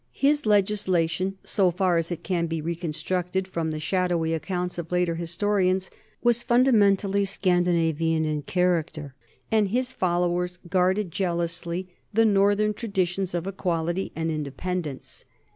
His legislation, so far as it can be re constructed from the shadowy accounts of later histo rians, was fundamentally Scandinavian in character, and his followers guarded jealously the northern traditions of equality and independence.